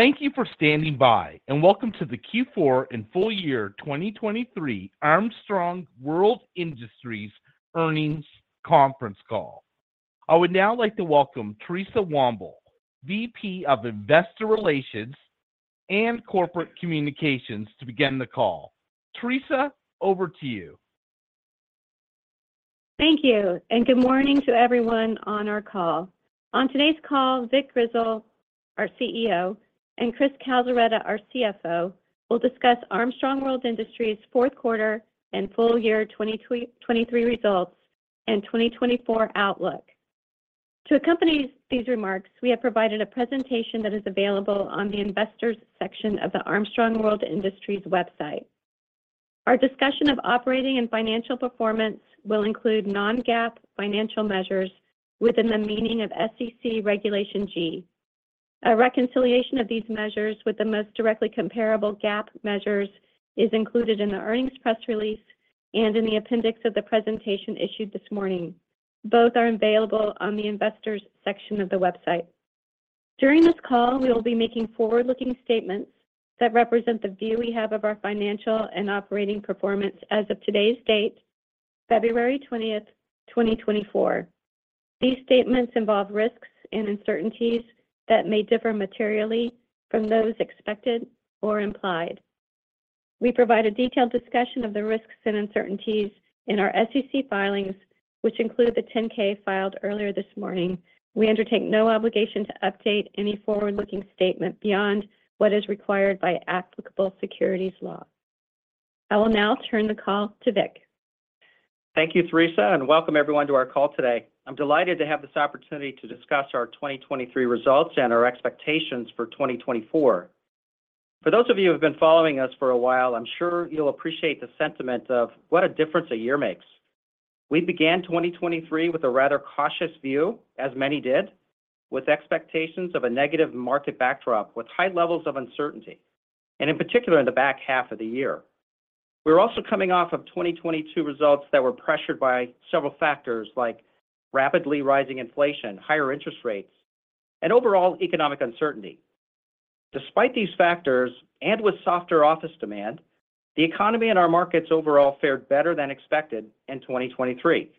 Thank you for standing by, and welcome to the Q4 and full year 2023 Armstrong World Industries earnings conference call. I would now like to welcome Theresa Womble, VP of Investor Relations and Corporate Communications, to begin the call. Theresa, over to you. Thank you, and good morning to everyone on our call. On today's call, Vic Grizzle, our CEO, and Chris Calzaretta, our CFO, will discuss Armstrong World Industries' Q4 and full year 2023 results and 2024 outlook. To accompany these remarks, we have provided a presentation that is available on the Investors section of the Armstrong World Industries website. Our discussion of operating and financial performance will include non-GAAP financial measures within the meaning of SEC Regulation G. A reconciliation of these measures with the most directly comparable GAAP measures is included in the earnings press release and in the appendix of the presentation issued this morning. Both are available on the Investors section of the website. During this call, we will be making forward-looking statements that represent the view we have of our financial and operating performance as of today's date, February 20th, 2024. These statements involve risks and uncertainties that may differ materially from those expected or implied. We provide a detailed discussion of the risks and uncertainties in our SEC filings, which include the 10-K filed earlier this morning. We undertake no obligation to update any forward-looking statement beyond what is required by applicable securities law. I will now turn the call to Vic. Thank you, Theresa, and welcome everyone to our call today. I'm delighted to have this opportunity to discuss our 2023 results and our expectations for 2024. For those of you who have been following us for a while, I'm sure you'll appreciate the sentiment of what a difference a year makes. We began 2023 with a rather cautious view, as many did, with expectations of a negative market backdrop with high levels of uncertainty, and in particular in the back half of the year. We're also coming off of 2022 results that were pressured by several factors like rapidly rising inflation, higher interest rates, and overall economic uncertainty. Despite these factors and with softer office demand, the economy and our markets overall fared better than expected in 2023.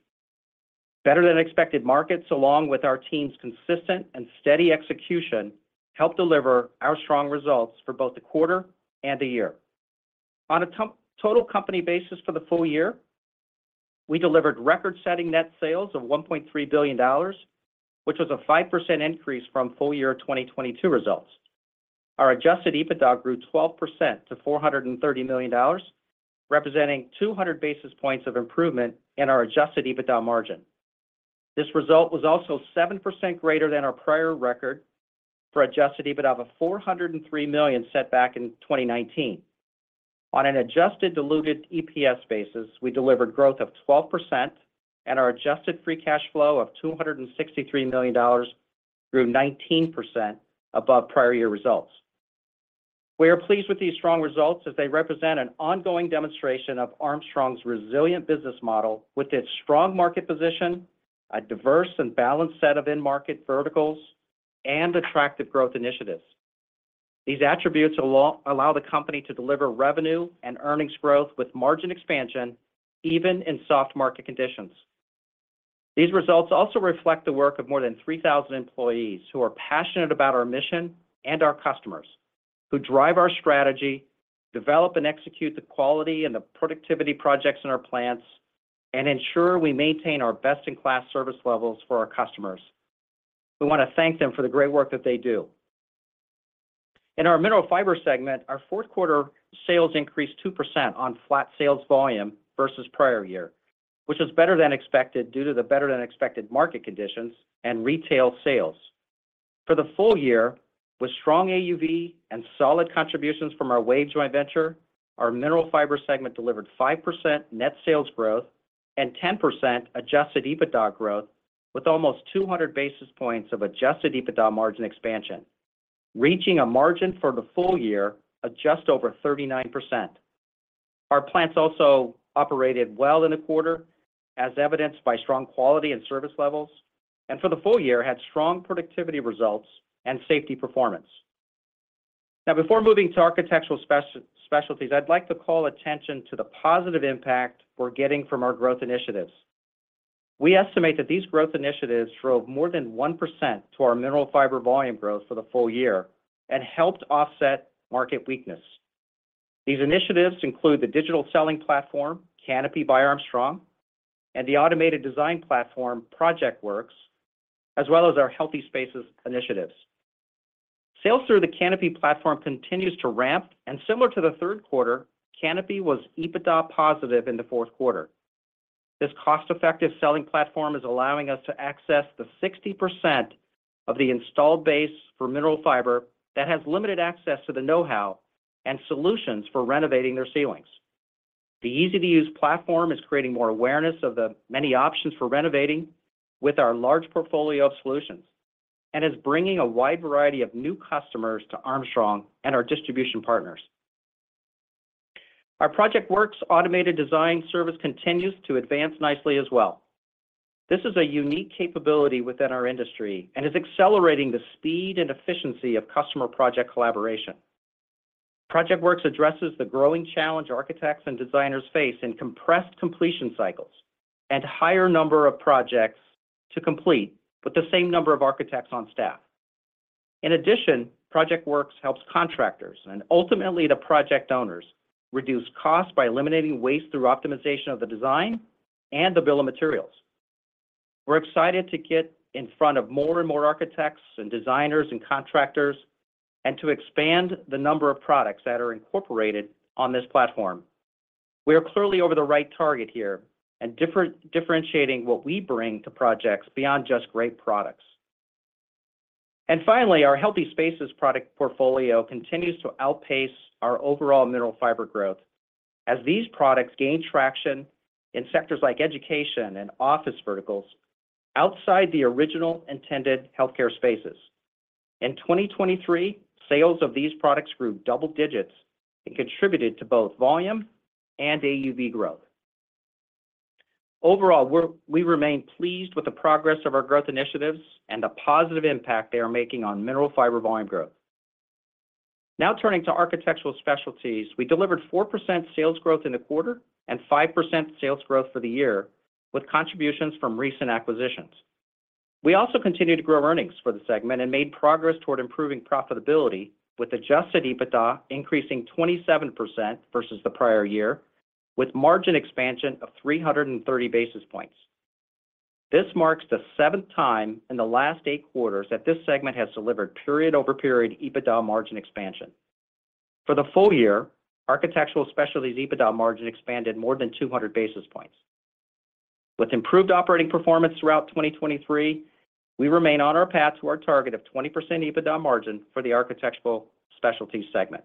Better than expected markets, along with our team's consistent and steady execution, helped deliver our strong results for both the quarter and the year. On a total company basis for the full year, we delivered record-setting net sales of $1.3 billion, which was a 5% increase from full year 2022 results. Our adjusted EBITDA grew 12% to $430 million, representing 200 basis points of improvement in our adjusted EBITDA margin. This result was also 7% greater than our prior record for adjusted EBITDA of $403 million set back in 2019. On an adjusted diluted EPS basis, we delivered growth of 12%, and our adjusted free cash flow of $263 million grew 19% above prior year results. We are pleased with these strong results as they represent an ongoing demonstration of Armstrong's resilient business model with its strong market position, a diverse and balanced set of in-market verticals, and attractive growth initiatives. These attributes allow the company to deliver revenue and earnings growth with margin expansion even in soft market conditions. These results also reflect the work of more than 3,000 employees who are passionate about our mission and our customers, who drive our strategy, develop and execute the quality and the productivity projects in our plants, and ensure we maintain our best-in-class service levels for our customers. We want to thank them for the great work that they do. In our Mineral Fiber segment, our Q4 sales increased 2% on flat sales volume versus prior year, which was better than expected due to the better-than-expected market conditions and retail sales. For the full year, with strong AUV and solid contributions from our WAVE joint venture, our Mineral Fiber segment delivered 5% net sales growth and 10% adjusted EBITDA growth with almost 200 basis points of adjusted EBITDA margin expansion, reaching a margin for the full year of just over 39%. Our plants also operated well in the quarter, as evidenced by strong quality and service levels, and for the full year had strong productivity results and safety performance. Now, before moving to Architectural Specialties, I'd like to call attention to the positive impact we're getting from our growth initiatives. We estimate that these growth initiatives drove more than 1% to our Mineral Fiber volume growth for the full year and helped offset market weakness. These initiatives include the digital selling platform, Kanopi by Armstrong, and the automated design platform, ProjectWorks, as well as our Healthy Spaces initiatives. Sales through the Kanopi platform continues to ramp, and similar to the Q3, Kanopi was EBITDA positive in the Q4. This cost-effective selling platform is allowing us to access the 60% of the installed base for Mineral Fiber that has limited access to the know-how and solutions for renovating their ceilings. The easy-to-use platform is creating more awareness of the many options for renovating with our large portfolio of solutions and is bringing a wide variety of new customers to Armstrong and our distribution partners. Our ProjectWorks automated design service continues to advance nicely as well. This is a unique capability within our industry and is accelerating the speed and efficiency of customer project collaboration. ProjectWorks addresses the growing challenge architects and designers face in compressed completion cycles and higher number of projects to complete with the same number of architects on staff. In addition, ProjectWorks helps contractors and ultimately the project owners reduce costs by eliminating waste through optimization of the design and the bill of materials. We're excited to get in front of more and more architects and designers and contractors and to expand the number of products that are incorporated on this platform. We are clearly over the right target here and differentiating what we bring to projects beyond just great products. Finally, our Healthy Spaces product portfolio continues to outpace our overall Mineral Fiber growth as these products gain traction in sectors like education and office verticals outside the original intended healthcare spaces. In 2023, sales of these products grew double digits and contributed to both volume and AUV growth. Overall, we remain pleased with the progress of our growth initiatives and the positive impact they are making on Mineral Fiber volume growth. Now turning to Architectural Specialties, we delivered 4% sales growth in the quarter and 5% sales growth for the year with contributions from recent acquisitions. We also continue to grow earnings for the segment and made progress toward improving profitability with Adjusted EBITDA increasing 27% versus the prior year with margin expansion of 330 basis points. This marks the seventh time in the last eight quarters that this segment has delivered period-over-period EBITDA margin expansion. For the full year, Architectural Specialties EBITDA margin expanded more than 200 basis points. With improved operating performance throughout 2023, we remain on our path to our target of 20% EBITDA margin for the Architectural Specialties segment.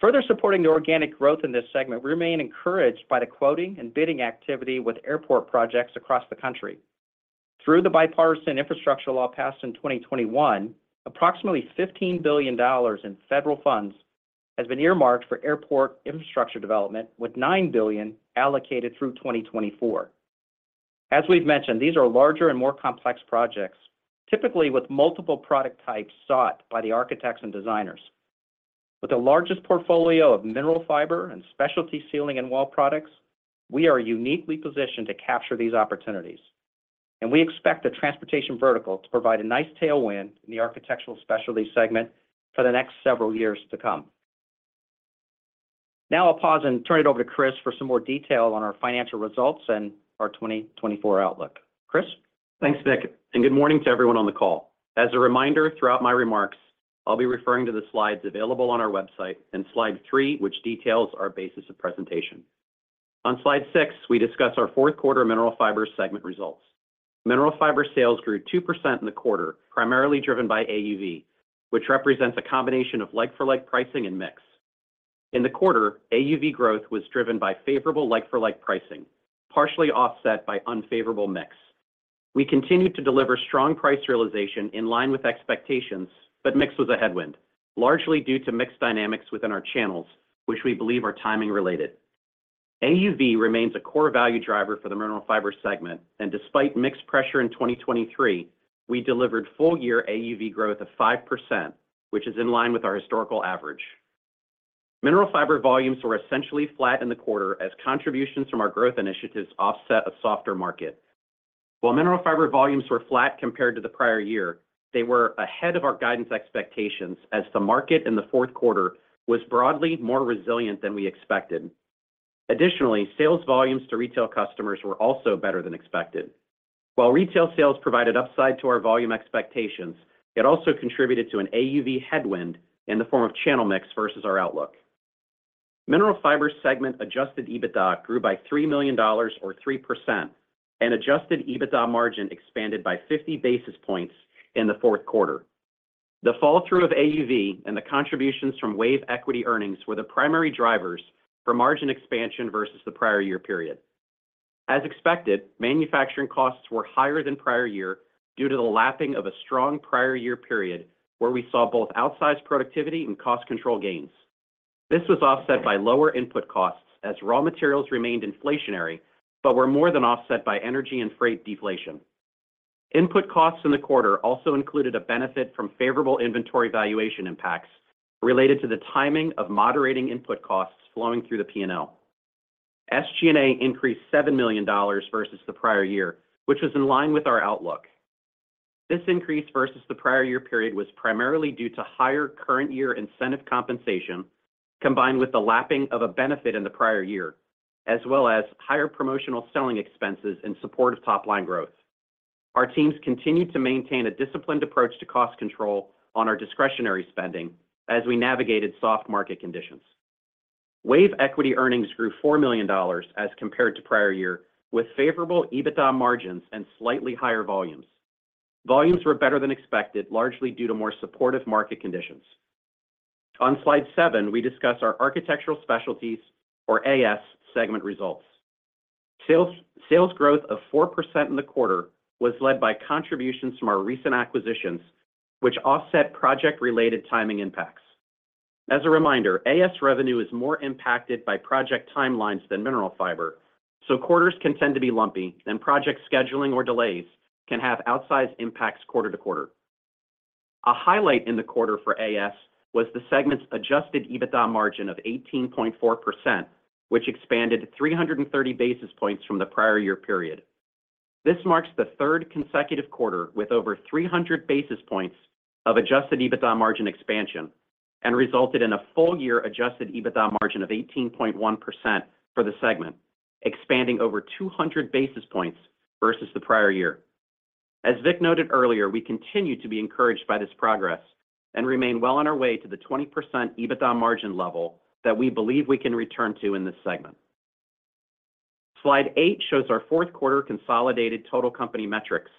Further supporting the organic growth in this segment, we remain encouraged by the quoting and bidding activity with airport projects across the country. Through the Bipartisan Infrastructure Law passed in 2021, approximately $15 billion in federal funds has been earmarked for airport infrastructure development, with $9 billion allocated through 2024. As we've mentioned, these are larger and more complex projects, typically with multiple product types sought by the architects and designers. With the largest portfolio of Mineral Fiber and specialty ceiling and wall products, we are uniquely positioned to capture these opportunities, and we expect the transportation vertical to provide a nice tailwind in the Architectural Specialties segment for the next several years to come. Now I'll pause and turn it over to Chris for some more detail on our financial results and our 2024 outlook. Chris? Thanks, Vic, and good morning to everyone on the call. As a reminder, throughout my remarks, I'll be referring to the slides available on our website and slide 3, which details our basis of presentation. On slide six, we discuss our fourth quarter Mineral Fiber segment results. Mineral Fiber sales grew 2% in the quarter, primarily driven by AUV, which represents a combination of leg-for-leg pricing and mix. In the quarter, AUV growth was driven by favorable leg-for-leg pricing, partially offset by unfavorable mix. We continued to deliver strong price realization in line with expectations, but mix was a headwind, largely due to mix dynamics within our channels, which we believe are timing related. AUV remains a core value driver for the Mineral Fiber segment, and despite mix pressure in 2023, we delivered full year AUV growth of 5%, which is in line with our historical average. Mineral Fiber volumes were essentially flat in the quarter as contributions from our growth initiatives offset a softer market. While Mineral Fiber volumes were flat compared to the prior year, they were ahead of our guidance expectations as the market in the Q4 was broadly more resilient than we expected. Additionally, sales volumes to retail customers were also better than expected. While retail sales provided upside to our volume expectations, it also contributed to an AUV headwind in the form of channel mix versus our outlook. Mineral Fiber segment Adjusted EBITDA grew by $3 million or 3%, and Adjusted EBITDA margin expanded by 50 basis points in the Q4. The fall through of AUV and the contributions from WAVE equity earnings were the primary drivers for margin expansion versus the prior year period. As expected, manufacturing costs were higher than prior year due to the lapping of a strong prior year period where we saw both outsized productivity and cost control gains. This was offset by lower input costs as raw materials remained inflationary but were more than offset by energy and freight deflation. Input costs in the quarter also included a benefit from favorable inventory valuation impacts related to the timing of moderating input costs flowing through the P&L. SG&A increased $7 million versus the prior year, which was in line with our outlook. This increase versus the prior year period was primarily due to higher current year incentive compensation combined with the lapping of a benefit in the prior year, as well as higher promotional selling expenses in support of top-line growth. Our teams continued to maintain a disciplined approach to cost control on our discretionary spending as we navigated soft market conditions. WAVE equity earnings grew $4 million as compared to prior year with favorable EBITDA margins and slightly higher volumes. Volumes were better than expected, largely due to more supportive market conditions. On slide seven, we discuss our Architectural Specialties, or AS, segment results. Sales growth of 4% in the quarter was led by contributions from our recent acquisitions, which offset project-related timing impacts. As a reminder, AS revenue is more impacted by project timelines than Mineral Fiber, so quarters can tend to be lumpy and project scheduling or delays can have outsized impacts quarter to quarter. A highlight in the quarter for AS was the segment's adjusted EBITDA margin of 18.4%, which expanded 330 basis points from the prior year period. This marks the third consecutive quarter with over 300 basis points of Adjusted EBITDA margin expansion and resulted in a full year Adjusted EBITDA margin of 18.1% for the segment, expanding over 200 basis points versus the prior year. As Vic noted earlier, we continue to be encouraged by this progress and remain well on our way to the 20% EBITDA margin level that we believe we can return to in this segment. Slide 8 shows our Q4 consolidated total company metrics,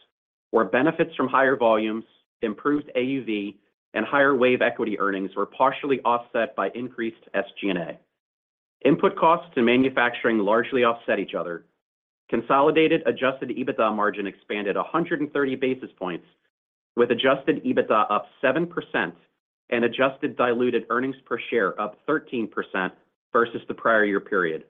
where benefits from higher volumes, improved AUV, and higher WAVE equity earnings were partially offset by increased SG&A. Input costs and manufacturing largely offset each other. Consolidated Adjusted EBITDA margin expanded 130 basis points with Adjusted EBITDA up 7% and Adjusted Diluted earnings per share up 13% versus the prior year period.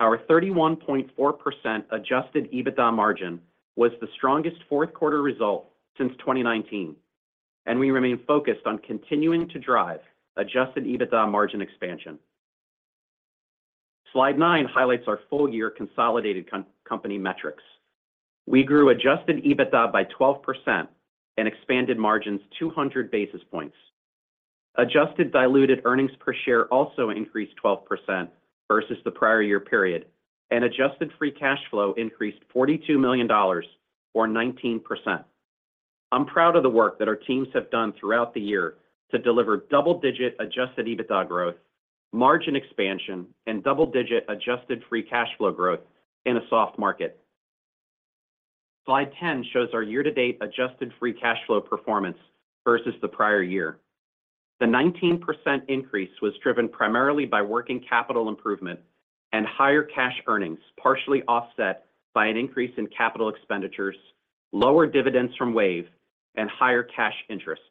Our 31.4% adjusted EBITDA margin was the strongest Q4 result since 2019, and we remain focused on continuing to drive adjusted EBITDA margin expansion. Slide 9 highlights our full year consolidated company metrics. We grew adjusted EBITDA by 12% and expanded margins 200 basis points. Adjusted diluted earnings per share also increased 12% versus the prior year period, and adjusted free cash flow increased $42 million or 19%. I'm proud of the work that our teams have done throughout the year to deliver double-digit adjusted EBITDA growth, margin expansion, and double-digit adjusted free cash flow growth in a soft market. Slide 10 shows our year-to-date adjusted free cash flow performance versus the prior year. The 19% increase was driven primarily by working capital improvement and higher cash earnings, partially offset by an increase in capital expenditures, lower dividends from WAVE, and higher cash interest.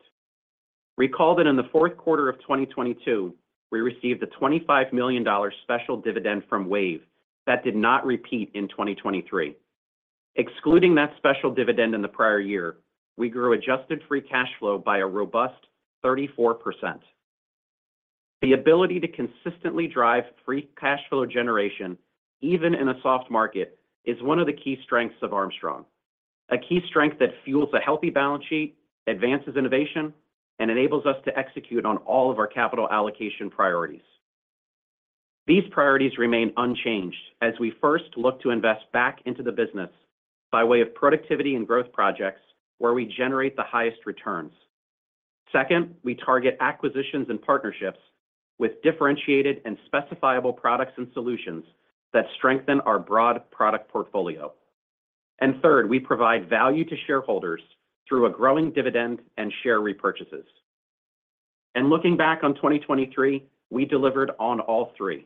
Recall that in the Q4 of 2022, we received a $25 million special dividend from WAVE that did not repeat in 2023. Excluding that special dividend in the prior year, we grew adjusted free cash flow by a robust 34%. The ability to consistently drive free cash flow generation, even in a soft market, is one of the key strengths of Armstrong, a key strength that fuels a healthy balance sheet, advances innovation, and enables us to execute on all of our capital allocation priorities. These priorities remain unchanged as we first look to invest back into the business by way of productivity and growth projects where we generate the highest returns. Second, we target acquisitions and partnerships with differentiated and specifiable products and solutions that strengthen our broad product portfolio. And third, we provide value to shareholders through a growing dividend and share repurchases. Looking back on 2023, we delivered on all three.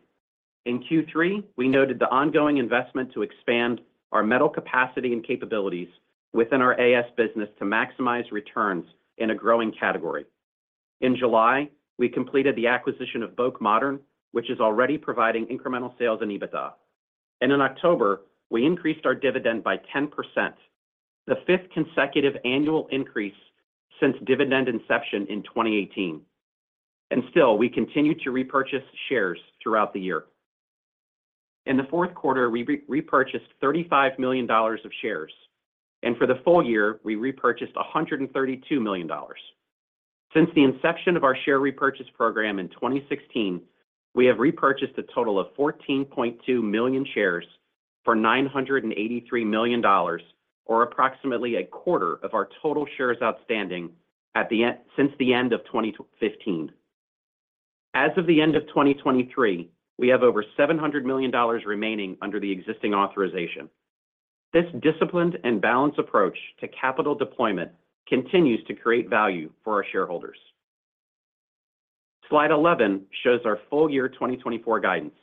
In Q3, we noted the ongoing investment to expand our metal capacity and capabilities within our AS business to maximize returns in a growing category. In July, we completed the acquisition of BŌK Modern, which is already providing incremental sales in EBITDA. In October, we increased our dividend by 10%, the fifth consecutive annual increase since dividend inception in 2018. Still, we continue to repurchase shares throughout the year. In the Q4, we repurchased $35 million of shares. For the full year, we repurchased $132 million. Since the inception of our share repurchase program in 2016, we have repurchased a total of 14.2 million shares for $983 million, or approximately a quarter of our total shares outstanding since the end of 2015. As of the end of 2023, we have over $700 million remaining under the existing authorization. This disciplined and balanced approach to capital deployment continues to create value for our shareholders. Slide 11 shows our full year 2024 guidance.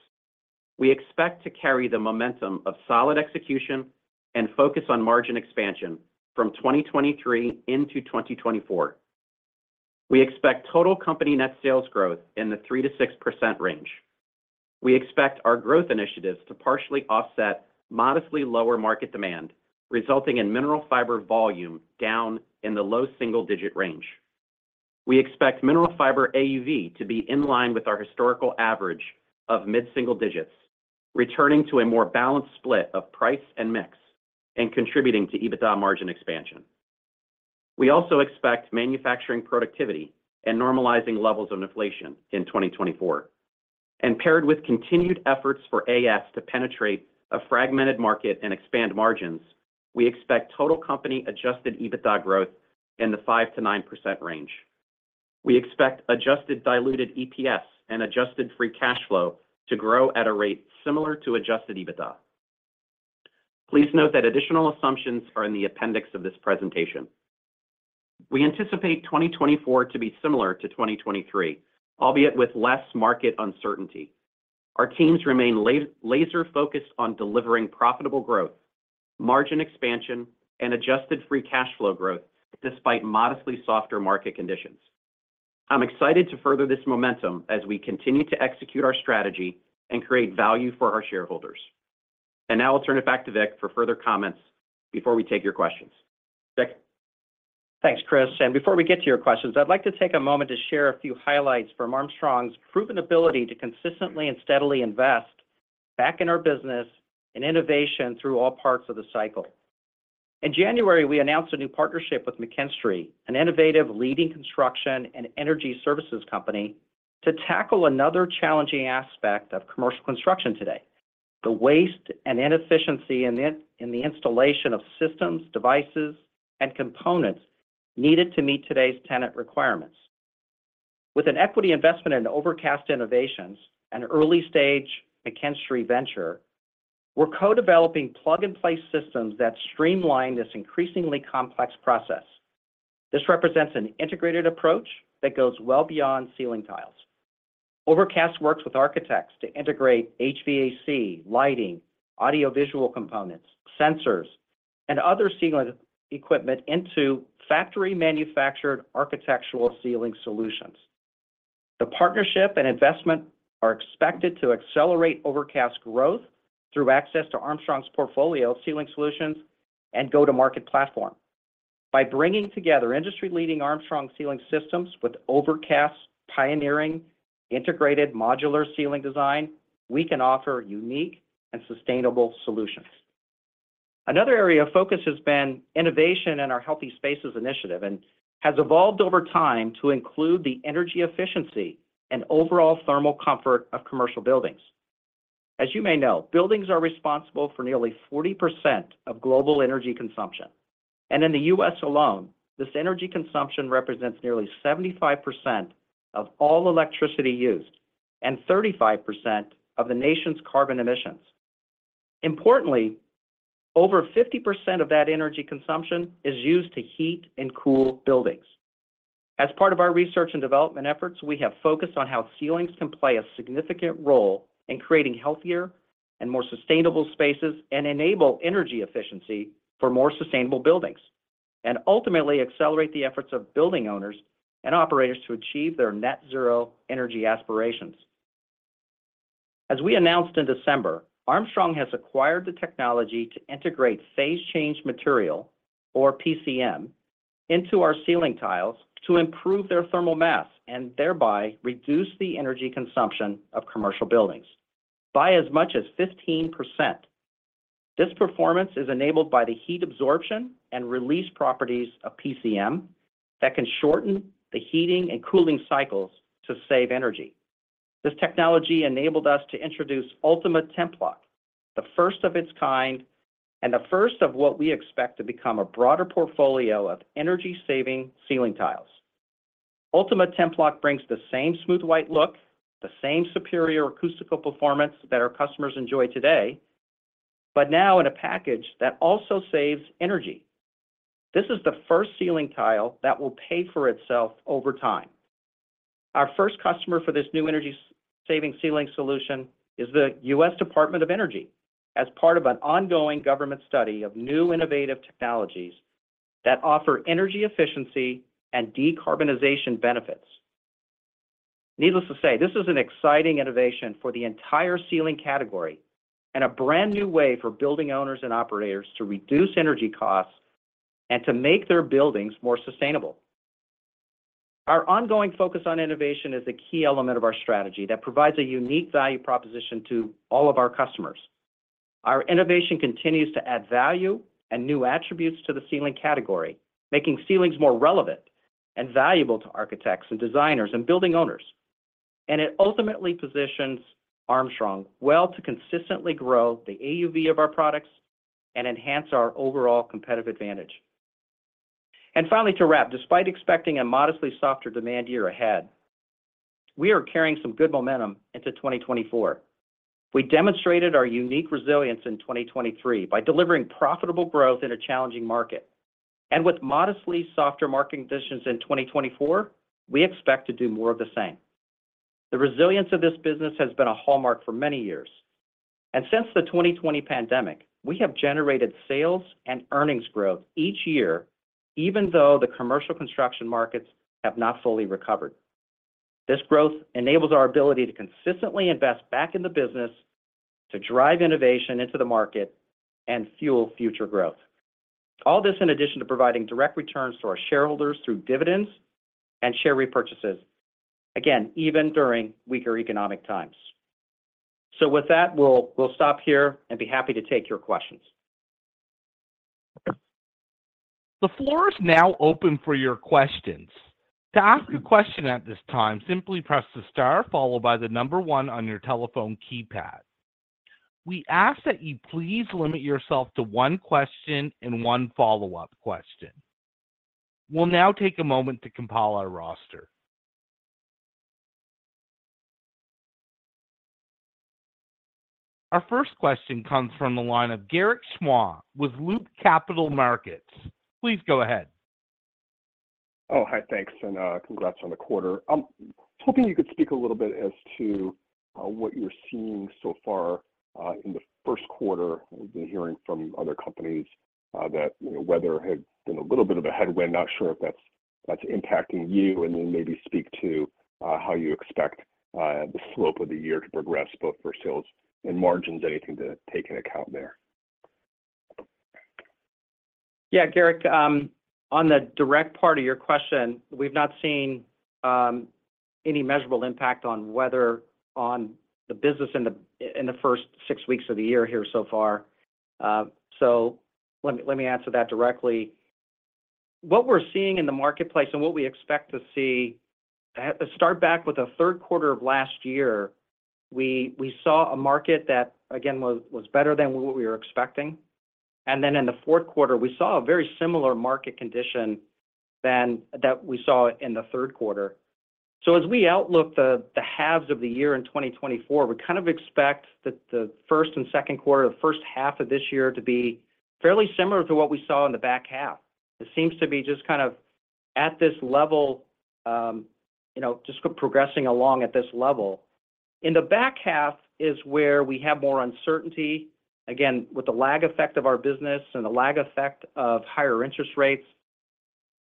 We expect to carry the momentum of solid execution and focus on margin expansion from 2023 into 2024. We expect total company net sales growth in the 3%-6% range. We expect our growth initiatives to partially offset modestly lower market demand, resulting in mineral fiber volume down in the low single-digit range. We expect mineral fiber AUV to be in line with our historical average of mid-single digits, returning to a more balanced split of price and mix and contributing to EBITDA margin expansion. We also expect manufacturing productivity and normalizing levels of inflation in 2024. Paired with continued efforts for AS to penetrate a fragmented market and expand margins, we expect total company adjusted EBITDA growth in the 5%-9% range. We expect adjusted diluted EPS and adjusted free cash flow to grow at a rate similar to adjusted EBITDA. Please note that additional assumptions are in the appendix of this presentation. We anticipate 2024 to be similar to 2023, albeit with less market uncertainty. Our teams remain laser-focused on delivering profitable growth, margin expansion, and adjusted free cash flow growth despite modestly softer market conditions. I'm excited to further this momentum as we continue to execute our strategy and create value for our shareholders. Now I'll turn it back to Vic for further comments before we take your questions. Vic? Thanks, Chris. Before we get to your questions, I'd like to take a moment to share a few highlights from Armstrong's proven ability to consistently and steadily invest back in our business and innovation through all parts of the cycle. In January, we announced a new partnership with McKinstry, an innovative leading construction and energy services company, to tackle another challenging aspect of commercial construction today, the waste and inefficiency in the installation of systems, devices, and components needed to meet today's tenant requirements. With an equity investment in Overcast Innovations and early-stage McKinstry venture, we're co-developing plug-and-play systems that streamline this increasingly complex process. This represents an integrated approach that goes well beyond ceiling tiles. Overcast works with architects to integrate HVAC, lighting, audiovisual components, sensors, and other ceiling equipment into factory-manufactured architectural ceiling solutions. The partnership and investment are expected to accelerate Overcast growth through access to Armstrong's portfolio of ceiling solutions and go-to-market platform. By bringing together industry-leading Armstrong ceiling systems with Overcast pioneering integrated modular ceiling design, we can offer unique and sustainable solutions. Another area of focus has been innovation in our Healthy Spaces initiative and has evolved over time to include the energy efficiency and overall thermal comfort of commercial buildings. As you may know, buildings are responsible for nearly 40% of global energy consumption. In the U.S. alone, this energy consumption represents nearly 75% of all electricity used and 35% of the nation's carbon emissions. Importantly, over 50% of that energy consumption is used to heat and cool buildings. As part of our research and development efforts, we have focused on how ceilings can play a significant role in creating healthier and more sustainable spaces and enable energy efficiency for more sustainable buildings, and ultimately accelerate the efforts of building owners and operators to achieve their net-zero energy aspirations. As we announced in December, Armstrong has acquired the technology to integrate phase change material, or PCM, into our ceiling tiles to improve their thermal mass and thereby reduce the energy consumption of commercial buildings by as much as 15%. This performance is enabled by the heat absorption and release properties of PCM that can shorten the heating and cooling cycles to save energy. This technology enabled us to introduce Ultima Templok, the first of its kind and the first of what we expect to become a broader portfolio of energy-saving ceiling tiles. Ultima Templok brings the same smooth white look, the same superior acoustical performance that our customers enjoy today, but now in a package that also saves energy. This is the first ceiling tile that will pay for itself over time. Our first customer for this new energy-saving ceiling solution is the U.S. Department of Energy as part of an ongoing government study of new innovative technologies that offer energy efficiency and decarbonization benefits. Needless to say, this is an exciting innovation for the entire ceiling category and a brand new way for building owners and operators to reduce energy costs and to make their buildings more sustainable. Our ongoing focus on innovation is a key element of our strategy that provides a unique value proposition to all of our customers. Our innovation continues to add value and new attributes to the ceiling category, making ceilings more relevant and valuable to architects and designers and building owners. It ultimately positions Armstrong well to consistently grow the AUV of our products and enhance our overall competitive advantage. Finally, to wrap, despite expecting a modestly softer demand year ahead, we are carrying some good momentum into 2024. We demonstrated our unique resilience in 2023 by delivering profitable growth in a challenging market. With modestly softer market conditions in 2024, we expect to do more of the same. The resilience of this business has been a hallmark for many years. Since the 2020 pandemic, we have generated sales and earnings growth each year, even though the commercial construction markets have not fully recovered. This growth enables our ability to consistently invest back in the business, to drive innovation into the market, and fuel future growth. All this in addition to providing direct returns to our shareholders through dividends and share repurchases, again, even during weaker economic times. So with that, we'll stop here and be happy to take your questions. The floor is now open for your questions. To ask a question at this time, simply press the star followed by the number one on your telephone keypad. We ask that you please limit yourself to one question and one follow-up question. We'll now take a moment to compile our roster. Our first question comes from the line of Garik Shmois with Loop Capital Markets. Please go ahead. Oh, hi. Thanks. Congrats on the quarter. I was hoping you could speak a little bit as to what you're seeing so far in the Q1. We've been hearing from other companies that weather had been a little bit of a headwind. Not sure if that's impacting you. Then maybe speak to how you expect the slope of the year to progress, both for sales and margins, anything to take into account there. Yeah, Garik, on the direct part of your question, we've not seen any measurable impact on weather on the business in the first six weeks of the year here so far. So let me answer that directly. What we're seeing in the marketplace and what we expect to see to start back with the Q3 of last year, we saw a market that, again, was better than what we were expecting. And then in the Q4, we saw a very similar market condition than that we saw in the Q3. So as we outlook the halves of the year in 2024, we kind of expect that the first and Q2, the first half of this year, to be fairly similar to what we saw in the back half. It seems to be just kind of at this level, just progressing along at this level. In the back half is where we have more uncertainty, again, with the lag effect of our business and the lag effect of higher interest rates,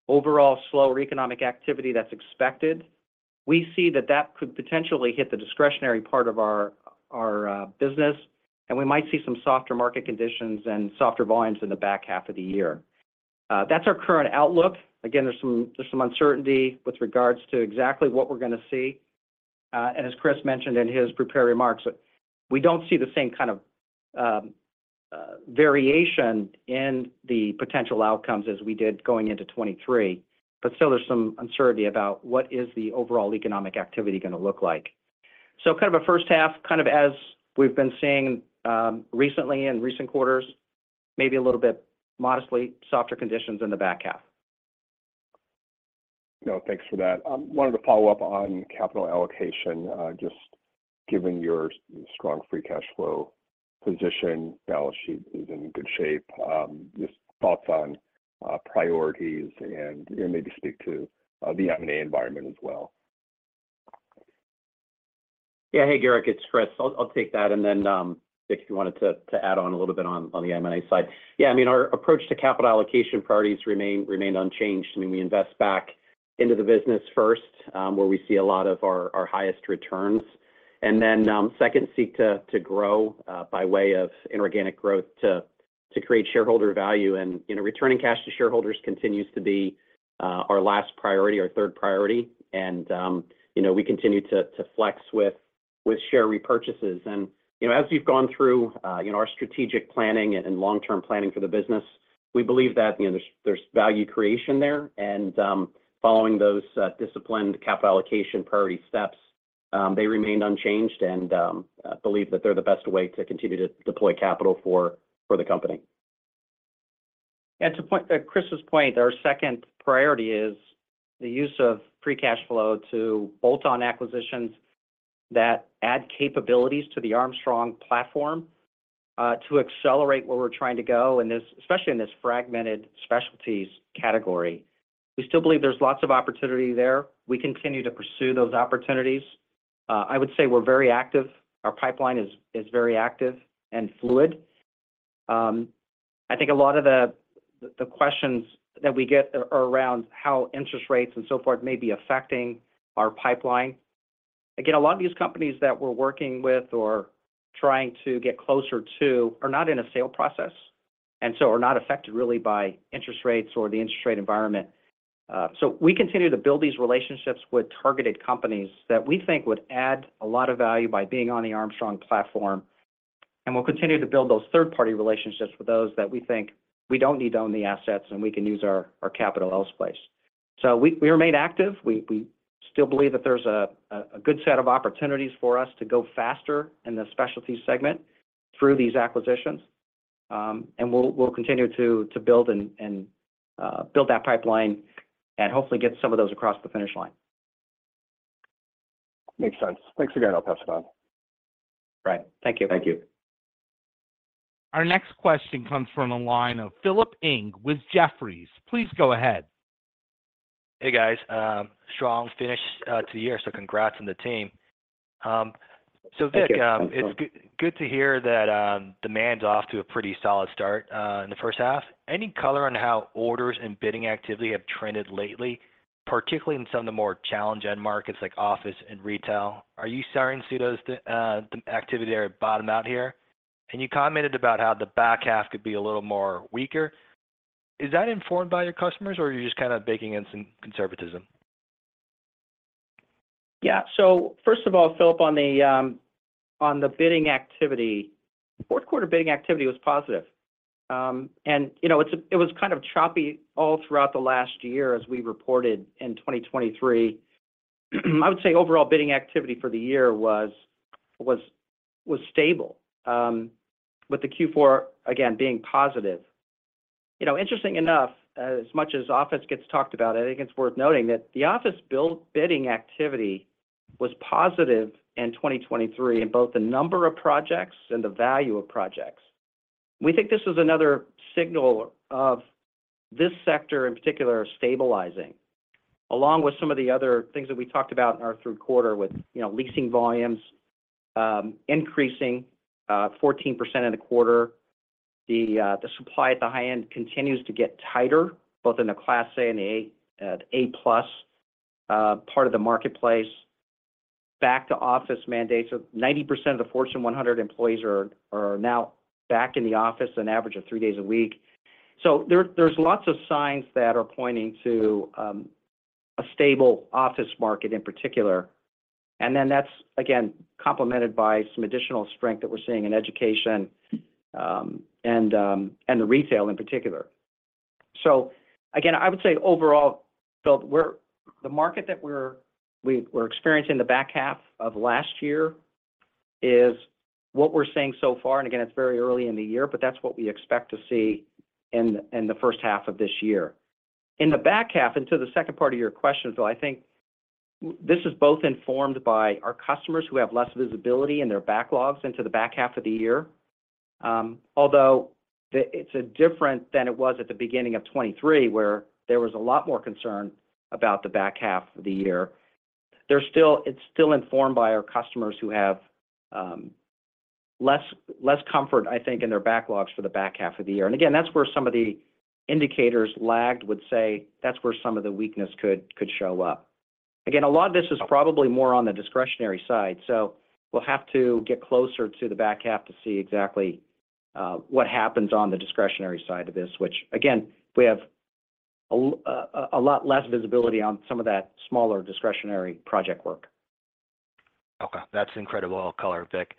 overall slower economic activity that's expected. We see that that could potentially hit the discretionary part of our business. And we might see some softer market conditions and softer volumes in the back half of the year. That's our current outlook. Again, there's some uncertainty with regards to exactly what we're going to see. And as Chris mentioned in his prepared remarks, we don't see the same kind of variation in the potential outcomes as we did going into 2023. But still, there's some uncertainty about what is the overall economic activity going to look like. So kind of a first half, kind of as we've been seeing recently in recent quarters, maybe a little bit modestly softer conditions in the back half. No, thanks for that. I wanted to follow up on capital allocation. Just given your strong free cash flow position, balance sheet is in good shape. Just thoughts on priorities and maybe speak to the M&A environment as well. Yeah. Hey, Garik. It's Chris. I'll take that. And then, Vic, if you wanted to add on a little bit on the M&A side. Yeah, I mean, our approach to capital allocation priorities remained unchanged. I mean, we invest back into the business first, where we see a lot of our highest returns. And then second, seek to grow by way of inorganic growth to create shareholder value. And returning cash to shareholders continues to be our last priority, our third priority. And we continue to flex with share repurchases. And as we've gone through our strategic planning and long-term planning for the business, we believe that there's value creation there. And following those disciplined capital allocation priority steps, they remained unchanged and believe that they're the best way to continue to deploy capital for the company. Yeah. To Chris's point, our second priority is the use of free cash flow to bolt-on acquisitions that add capabilities to the Armstrong platform to accelerate where we're trying to go, especially in this fragmented specialties category. We still believe there's lots of opportunity there. We continue to pursue those opportunities. I would say we're very active. Our pipeline is very active and fluid. I think a lot of the questions that we get are around how interest rates and so forth may be affecting our pipeline. Again, a lot of these companies that we're working with or trying to get closer to are not in a sale process and so are not affected really by interest rates or the interest rate environment. So we continue to build these relationships with targeted companies that we think would add a lot of value by being on the Armstrong platform. And we'll continue to build those third-party relationships with those that we think we don't need to own the assets and we can use our capital elsewhere. So we remain active. We still believe that there's a good set of opportunities for us to go faster in the specialty segment through these acquisitions. And we'll continue to build that pipeline and hopefully get some of those across the finish line. Makes sense. Thanks again. I'll pass it on. Right. Thank you. Thank you. Our next question comes from the line of Philip Ng with Jefferies. Please go ahead. Hey, guys. Strong finish to the year, so congrats on the team. So Vic, it's good to hear that demand's off to a pretty solid start in the first half. Any color on how orders and bidding activity have trended lately, particularly in some of the more challenged markets like office and retail? Are you seeing the activity there bottom out here? And you commented about how the back half could be a little more weaker. Is that informed by your customers, or are you just kind of baking in some conservatism? Yeah. So first of all, Philip, on the bidding activity, fourth-quarter bidding activity was positive. It was kind of choppy all throughout the last year as we reported in 2023. I would say overall bidding activity for the year was stable, with the Q4, again, being positive. Interesting enough, as much as office gets talked about, I think it's worth noting that the office bidding activity was positive in 2023 in both the number of projects and the value of projects. We think this is another signal of this sector in particular stabilizing, along with some of the other things that we talked about in our Q3 with leasing volumes increasing 14% in the quarter. The supply at the high end continues to get tighter, both in the Class A and the A-plus part of the marketplace. Back-to-office mandates, 90% of the Fortune 100 employees are now back in the office an average of three days a week. So there's lots of signs that are pointing to a stable office market in particular. And then that's, again, complemented by some additional strength that we're seeing in education and the retail in particular. So again, I would say overall, Philip, the market that we're experiencing in the back half of last year is what we're seeing so far. And again, it's very early in the year, but that's what we expect to see in the first half of this year. In the back half, into the second part of your question, Phil, I think this is both informed by our customers who have less visibility in their backlogs into the back half of the year. Although it's different than it was at the beginning of 2023, where there was a lot more concern about the back half of the year, it's still informed by our customers who have less comfort, I think, in their backlogs for the back half of the year. And again, that's where some of the indicators lagged, would say that's where some of the weakness could show up. Again, a lot of this is probably more on the discretionary side. So we'll have to get closer to the back half to see exactly what happens on the discretionary side of this, which, again, we have a lot less visibility on some of that smaller discretionary project work. Okay. That's incredible color, Vic.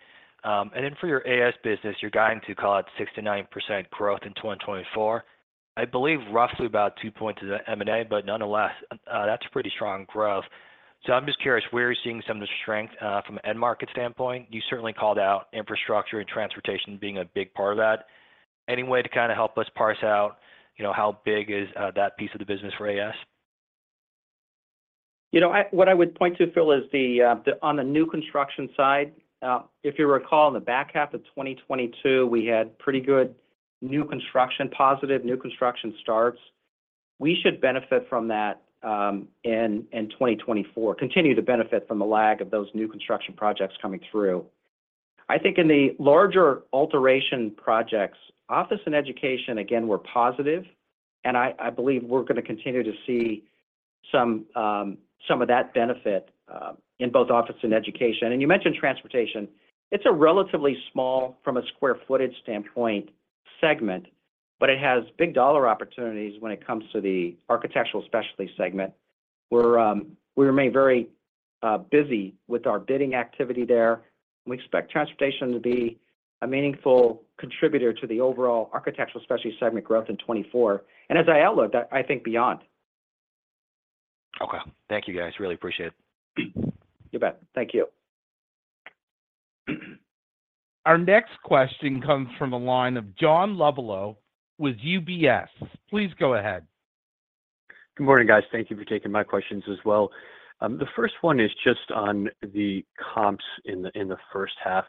Then for your AS business, you're going to, call it, 6%-9% growth in 2024. I believe roughly about two points of M&A, but nonetheless, that's pretty strong growth. I'm just curious, where are you seeing some of the strength from an end market standpoint? You certainly called out infrastructure and transportation being a big part of that. Any way to kind of help us parse out how big is that piece of the business for AS? What I would point to, Phil, is on the new construction side, if you recall, in the back half of 2022, we had pretty good new construction, positive new construction starts. We should benefit from that in 2024, continue to benefit from the lag of those new construction projects coming through. I think in the larger alteration projects, office and education, again, were positive. I believe we're going to continue to see some of that benefit in both office and education. You mentioned transportation. It's a relatively small, from a square footage standpoint, segment, but it has big dollar opportunities when it comes to the Architectural Specialties segment. We remain very busy with our bidding activity there. We expect transportation to be a meaningful contributor to the overall Architectural Specialties segment growth in 2024. As I outlook, I think beyond. Okay. Thank you, guys. Really appreciate it. You bet. Thank you. Our next question comes from the line of John Lovallo with UBS. Please go ahead. Good morning, guys. Thank you for taking my questions as well. The first one is just on the comps in the first half,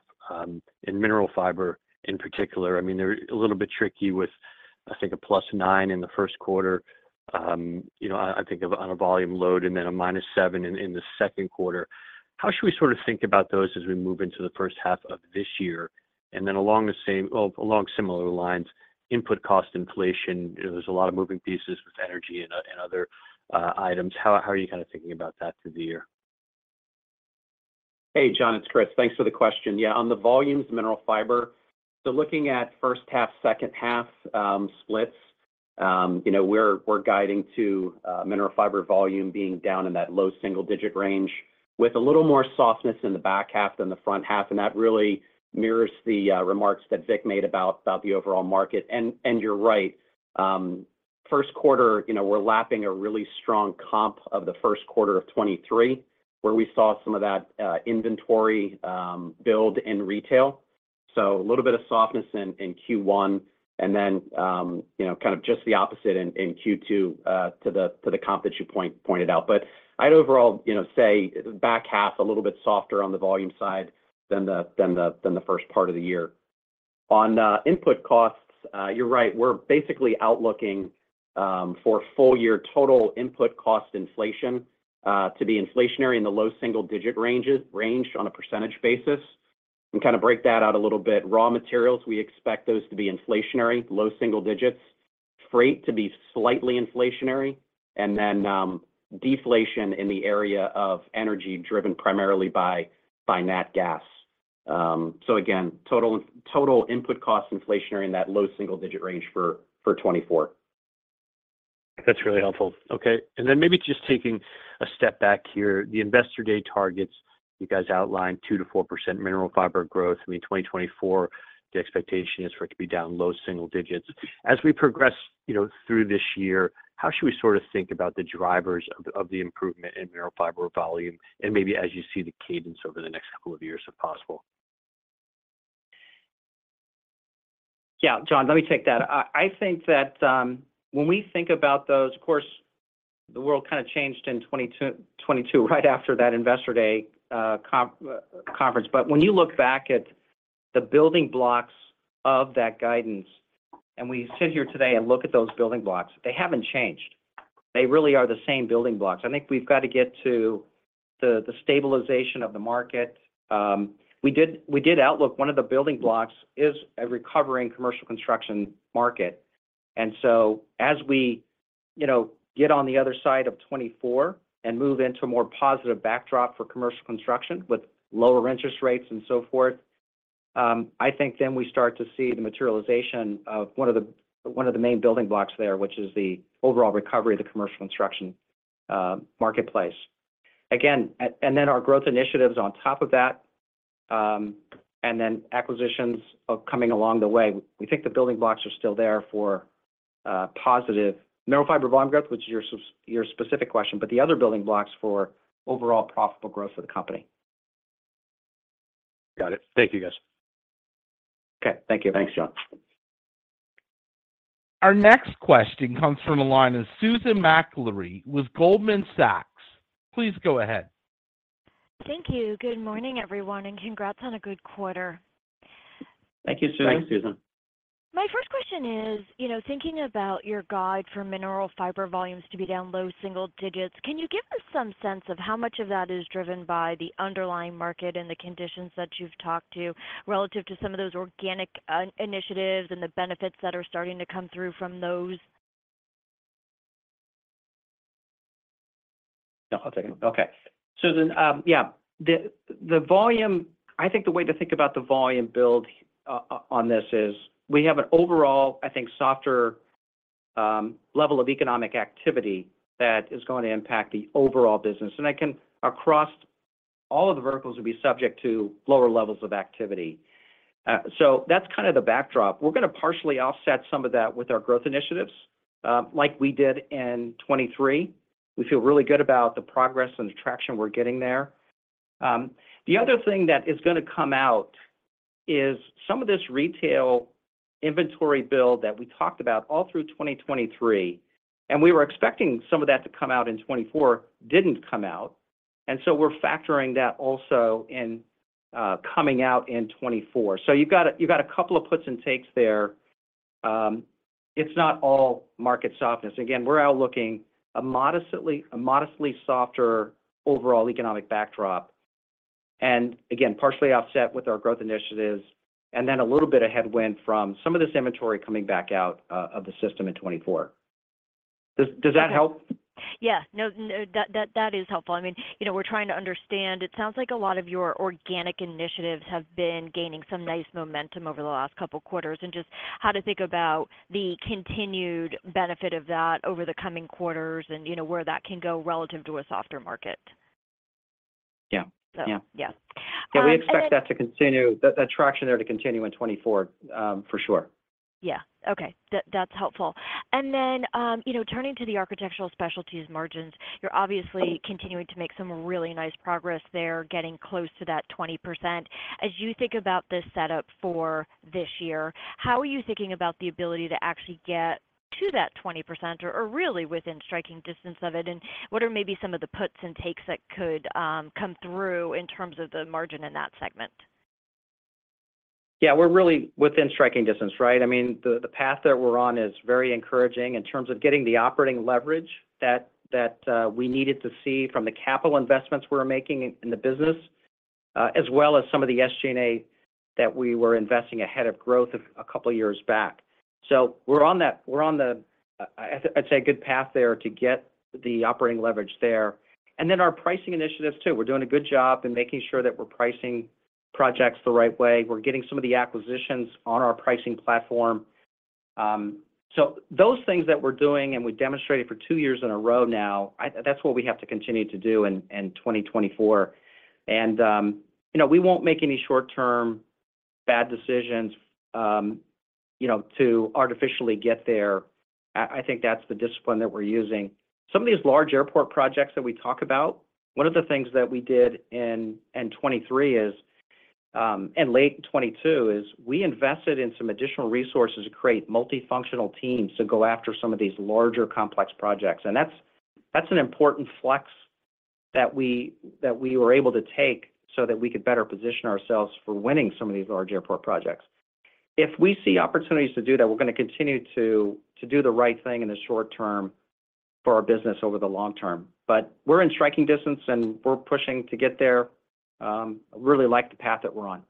in Mineral Fiber in particular. I mean, they're a little bit tricky with, I think, a +9% in the Q1, I think, on a volume load, and then a -7% in the second quarter. How should we sort of think about those as we move into the first half of this year? And then along the same well, along similar lines, input cost inflation, there's a lot of moving pieces with energy and other items. How are you kind of thinking about that through the year? Hey, John. It's Chris. Thanks for the question. Yeah, on the volumes, Mineral Fiber, so looking at first half, second half splits, we're guiding to Mineral Fiber volume being down in that low single-digit range with a little more softness in the back half than the front half. And that really mirrors the remarks that Vic made about the overall market. And you're right. First quarter, we're lapping a really strong comp of the Q1 of 2023, where we saw some of that inventory build in retail. So a little bit of softness in Q1 and then kind of just the opposite in Q2 to the comp that you pointed out. But I'd overall say back half, a little bit softer on the volume side than the first part of the year. On input costs, you're right. We're basically outlooking for full-year total input cost inflation to be inflationary in the low single-digit range on a percentage basis and kind of break that out a little bit. Raw materials, we expect those to be inflationary, low single digits. Freight to be slightly inflationary. And then deflation in the area of energy driven primarily by nat gas. So again, total input cost inflationary in that low single-digit range for 2024. That's really helpful. Okay. And then maybe just taking a step back here, the investor day targets, you guys outlined 2%-4% Mineral Fiber growth. I mean, 2024, the expectation is for it to be down low single digits. As we progress through this year, how should we sort of think about the drivers of the improvement in Mineral Fiber volume and maybe as you see the cadence over the next couple of years, if possible? Yeah, John, let me take that. I think that when we think about those, of course, the world kind of changed in 2022 right after that investor day conference. But when you look back at the building blocks of that guidance, and we sit here today and look at those building blocks, they haven't changed. They really are the same building blocks. I think we've got to get to the stabilization of the market. We did outlook one of the building blocks is a recovering commercial construction market. And so as we get on the other side of 2024 and move into a more positive backdrop for commercial construction with lower interest rates and so forth, I think then we start to see the materialization of one of the main building blocks there, which is the overall recovery of the commercial construction marketplace. And then our growth initiatives on top of that and then acquisitions coming along the way. We think the building blocks are still there for positive Mineral Fiber volume growth, which is your specific question, but the other building blocks for overall profitable growth for the company. Got it. Thank you, guys. Okay. Thank you. Thanks, John. Our next question comes from the line of Susan Maklari with Goldman Sachs. Please go ahead. Thank you. Good morning, everyone, and congrats on a good quarter. Thank you, Susan. Thanks, Susan. My first question is, thinking about your guide for Mineral Fiber volumes to be down low single digits, can you give us some sense of how much of that is driven by the underlying market and the conditions that you've talked to relative to some of those organic initiatives and the benefits that are starting to come through from those? No, I'll take a note. Okay. So then, yeah, I think the way to think about the volume build on this is we have an overall, I think, softer level of economic activity that is going to impact the overall business. Across all of the verticals, we'd be subject to lower levels of activity. That's kind of the backdrop. We're going to partially offset some of that with our growth initiatives like we did in 2023. We feel really good about the progress and the traction we're getting there. The other thing that is going to come out is some of this retail inventory build that we talked about all through 2023, and we were expecting some of that to come out in 2024, didn't come out. We're factoring that also in coming out in 2024. You've got a couple of puts and takes there. It's not all market softness. Again, we're outlooking a modestly softer overall economic backdrop and, again, partially offset with our growth initiatives and then a little bit of headwind from some of this inventory coming back out of the system in 2024. Does that help? Yeah. No, that is helpful. I mean, we're trying to understand it sounds like a lot of your organic initiatives have been gaining some nice momentum over the last couple of quarters and just how to think about the continued benefit of that over the coming quarters and where that can go relative to a softer market. Yeah. Yeah. Yeah. Yeah. We expect that traction there to continue in 2024 for sure. Yeah. Okay. That's helpful. And then turning to the Architectural Specialties margins, you're obviously continuing to make some really nice progress there, getting close to that 20%. As you think about this setup for this year, how are you thinking about the ability to actually get to that 20% or really within striking distance of it? And what are maybe some of the puts and takes that could come through in terms of the margin in that segment? Yeah. We're really within striking distance, right? I mean, the path that we're on is very encouraging in terms of getting the operating leverage that we needed to see from the capital investments we were making in the business as well as some of the SG&A that we were investing ahead of growth a couple of years back. So we're on the, I'd say, good path there to get the operating leverage there. And then our pricing initiatives too. We're doing a good job in making sure that we're pricing projects the right way. We're getting some of the acquisitions on our pricing platform. So those things that we're doing and we demonstrated for two years in a row now, that's what we have to continue to do in 2024. And we won't make any short-term bad decisions to artificially get there. I think that's the discipline that we're using. Some of these large airport projects that we talk about, one of the things that we did in 2023 and late 2022 is we invested in some additional resources to create multifunctional teams to go after some of these larger, complex projects. And that's an important flex that we were able to take so that we could better position ourselves for winning some of these large airport projects. If we see opportunities to do that, we're going to continue to do the right thing in the short term for our business over the long term. But we're in striking distance, and we're pushing to get there. I really like the path that we're on.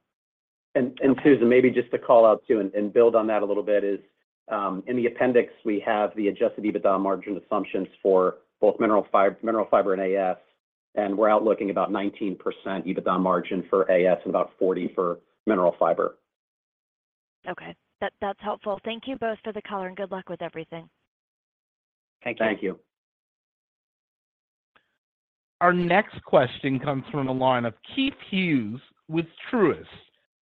And Susan, maybe just to call out too and build on that a little bit is in the appendix, we have the Adjusted EBITDA margin assumptions for both Mineral Fiber and AS. We're outlooking about 19% EBITDA margin for AS and about 40% for Mineral Fiber. Okay. That's helpful. Thank you both for the color, and good luck with everything. Thank you. Thank you. Our next question comes from the line of Keith Hughes with Truist.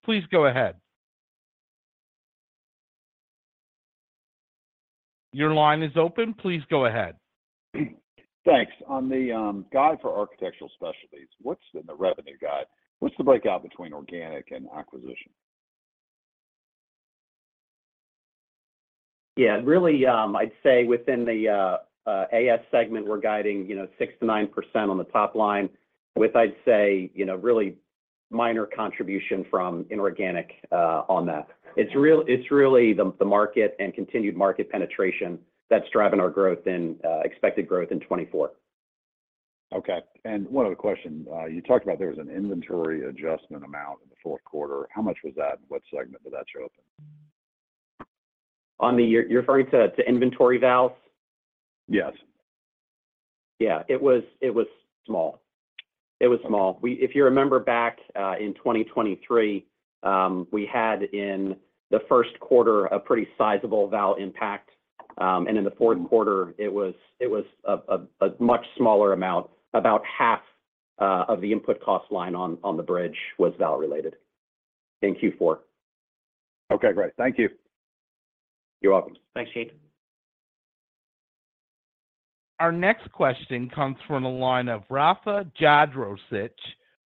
Please go ahead. Your line is open. Please go ahead. Thanks. On the guide for Architectural Specialties, in the revenue guide, what's the breakout between organic and acquisition? Yeah. Really, I'd say within the AS segment, we're guiding 6%-9% on the top line with, I'd say, really minor contribution from inorganic on that. It's really the market and continued market penetration that's driving our expected growth in 2024. Okay. One other question. You talked about there was an inventory adjustment amount in the fourth quarter. How much was that? What segment did that show up in? You're referring to inventory valves? Yes. Yeah. It was small. It was small. If you remember back in 2023, we had in the first quarter a pretty sizable valve impact. In the Q4, it was a much smaller amount. About half of the input cost line on the bridge was valve-related in Q4. Okay. Great. Thank you. You're welcome. Thanks, Shade. Our next question comes from the line of Rafe Jadrosic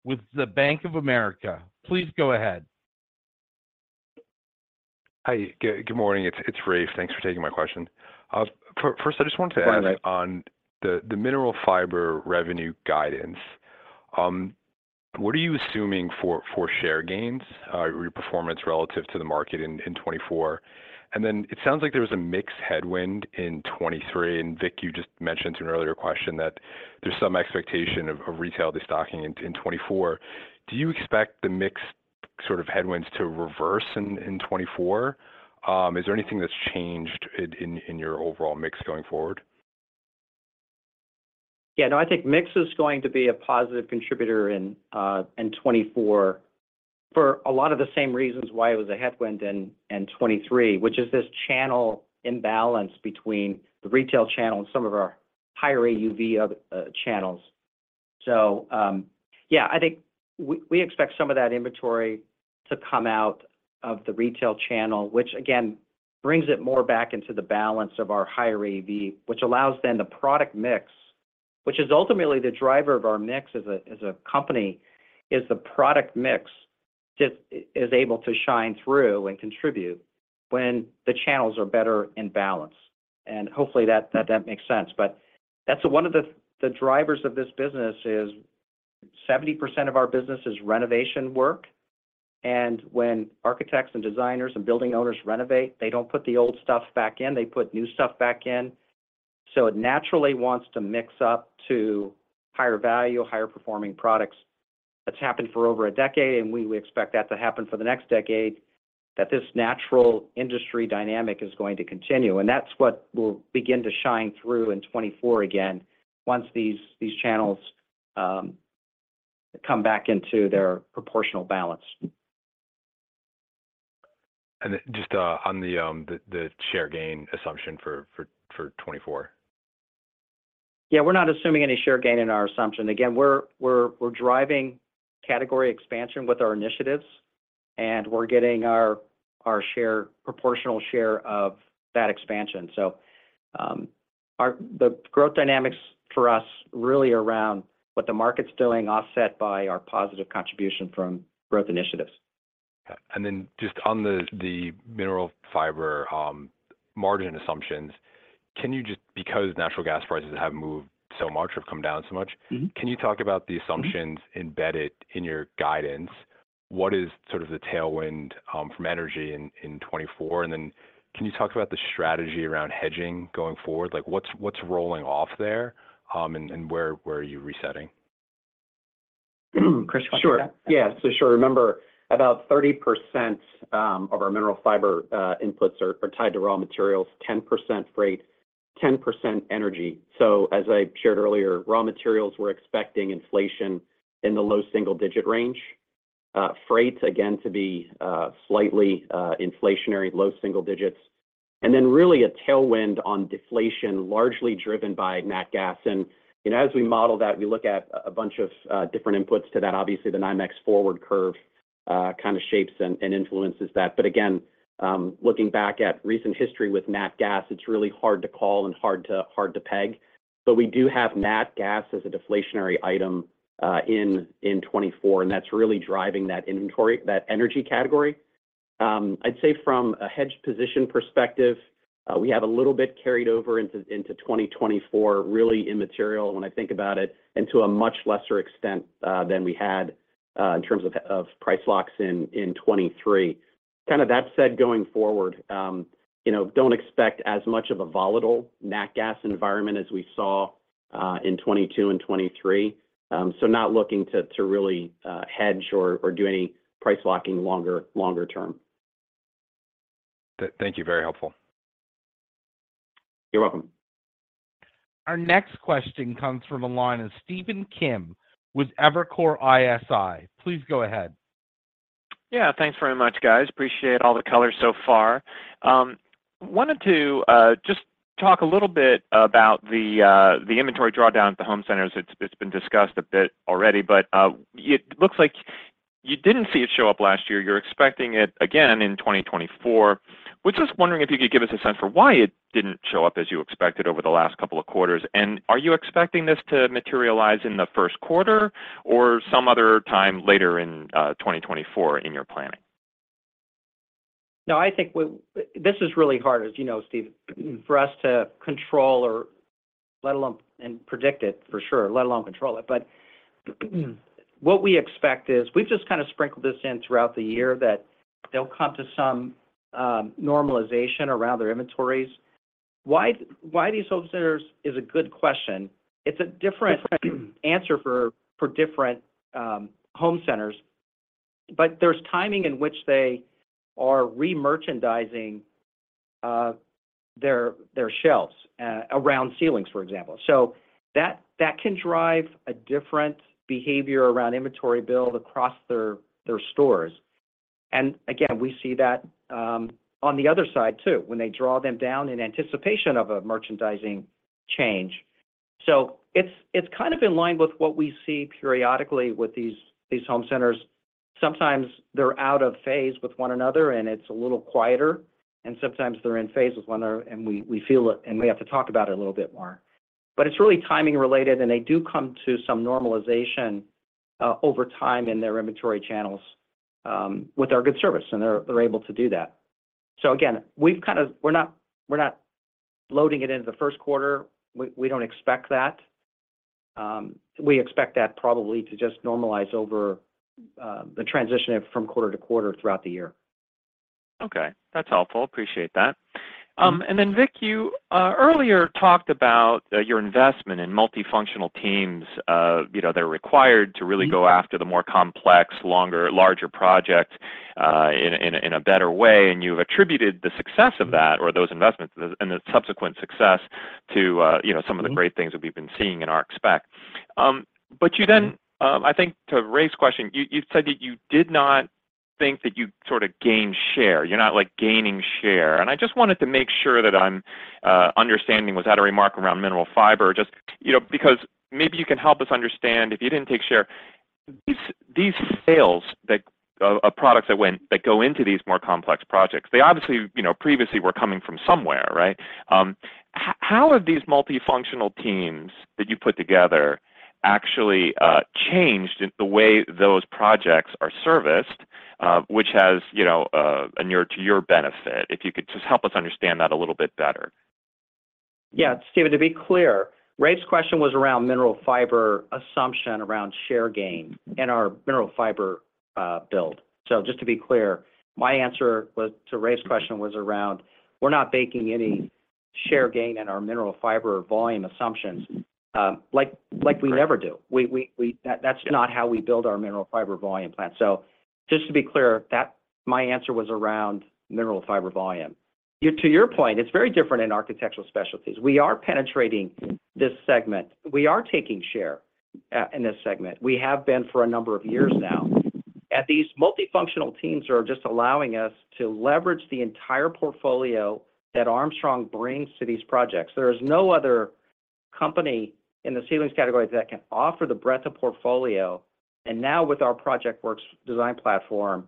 with Bank of America. Please go ahead. Hi. Good morning. It's Rafe. Thanks for taking my question. First, I just wanted to ask on the Mineral Fiber revenue guidance, what are you assuming for share gains or your performance relative to the market in 2024? And then it sounds like there was a mixed headwind in 2023. And Vic, you just mentioned in an earlier question that there's some expectation of retail destocking in 2024. Do you expect the mixed sort of headwinds to reverse in 2024? Is there anything that's changed in your overall mix going forward? Yeah. No, I think mix is going to be a positive contributor in 2024 for a lot of the same reasons why it was a headwind in 2023, which is this channel imbalance between the retail channel and some of our higher AUV channels. So yeah, I think we expect some of that inventory to come out of the retail channel, which, again, brings it more back into the balance of our higher AUV, which allows then the product mix, which is ultimately the driver of our mix as a company, is the product mix is able to shine through and contribute when the channels are better in balance. And hopefully, that makes sense. But one of the drivers of this business is 70% of our business is renovation work. And when architects and designers and building owners renovate, they don't put the old stuff back in. They put new stuff back in. So it naturally wants to mix up to higher value, higher performing products. That's happened for over a decade, and we expect that to happen for the next decade, that this natural industry dynamic is going to continue. That's what will begin to shine through in 2024 again once these channels come back into their proportional balance. Just on the share gain assumption for 2024? Yeah. We're not assuming any share gain in our assumption. Again, we're driving category expansion with our initiatives, and we're getting our proportional share of that expansion. So the growth dynamics for us really are around what the market's doing, offset by our positive contribution from growth initiatives. Then just on the Mineral Fiber margin assumptions, because natural gas prices have moved so much or have come down so much, can you talk about the assumptions embedded in your guidance? What is sort of the tailwind from energy in 2024? And then can you talk about the strategy around hedging going forward? What's rolling off there, and where are you resetting? Chris, question? Sure. Yeah. So sure. Remember, about 30% of our Mineral Fiber inputs are tied to raw materials, 10% freight, 10% energy. So as I shared earlier, raw materials, we're expecting inflation in the low single-digit range, freight, again, to be slightly inflationary, low single digits, and then really a tailwind on deflation, largely driven by nat gas. And as we model that, we look at a bunch of different inputs to that. Obviously, the NIMAX forward curve kind of shapes and influences that. But again, looking back at recent history with nat gas, it's really hard to call and hard to peg. But we do have nat gas as a deflationary item in 2024, and that's really driving that energy category. I'd say from a hedged position perspective, we have a little bit carried over into 2024, really immaterial, when I think about it, into a much lesser extent than we had in terms of price locks in 2023. Kind of that said, going forward, don't expect as much of a volatile nat gas environment as we saw in 2022 and 2023. So not looking to really hedge or do any price locking longer term. Thank you. Very helpful. You're welcome. Our next question comes from a line of Stephen Kim with Evercore ISI. Please go ahead. Yeah. Thanks very much, guys. Appreciate all the color so far. Wanted to just talk a little bit about the inventory drawdown at the home centers. It's been discussed a bit already, but it looks like you didn't see it show up last year. You're expecting it again in 2024. We're just wondering if you could give us a sense for why it didn't show up as you expected over the last couple of quarters. Are you expecting this to materialize in the first quarter or some other time later in 2024 in your planning? No, I think this is really hard, as you know, Steve, for us to control or let alone predict it for sure, let alone control it. But what we expect is we've just kind of sprinkled this in throughout the year that they'll come to some normalization around their inventories. Why these home centers is a good question. It's a different answer for different home centers. But there's timing in which they are remerchandising their shelves around ceilings, for example. So that can drive a different behavior around inventory build across their stores. And again, we see that on the other side too when they draw them down in anticipation of a merchandising change. So it's kind of in line with what we see periodically with these home centers. Sometimes they're out of phase with one another, and it's a little quieter. Sometimes they're in phase with one another, and we feel it, and we have to talk about it a little bit more. But it's really timing-related, and they do come to some normalization over time in their inventory channels with our good service, and they're able to do that. So again, we're not loading it into the Q1. We don't expect that. We expect that probably to just normalize over the transition from quarter to quarter throughout the year. Okay. That's helpful. Appreciate that. And then, Vic, you earlier talked about your investment in multifunctional teams that are required to really go after the more complex, larger projects in a better way. And you've attributed the success of that or those investments and the subsequent success to some of the great things that we've been seeing in Architectural Specialties. But you then, I think, to Rafe's question, you said that you did not think that you sort of gained share. You're not gaining share. And I just wanted to make sure that I'm understanding. Was that a remark around Mineral Fiber? Just because maybe you can help us understand if you didn't take share, these sales of products that go into these more complex projects, they obviously previously were coming from somewhere, right? How have these multifunctional teams that you put together actually changed the way those projects are serviced, which has to your benefit? If you could just help us understand that a little bit better? Yeah. Stephen, to be clear, Rafe's question was around Mineral Fiber assumption around share gain in our Mineral Fiber build. So just to be clear, my answer to Rafe's question was around we're not baking any share gain in our Mineral Fiber volume assumptions like we never do. That's not how we build our Mineral Fiber volume plant. So just to be clear, my answer was around Mineral Fiber volume. To your point, it's very different in Architectural Specialties. We are penetrating this segment. We are taking share in this segment. We have been for a number of years now. And these multifunctional teams are just allowing us to leverage the entire portfolio that Armstrong brings to these projects. There is no other company in the ceilings category that can offer the breadth of portfolio. And now with our ProjectWorks design platform,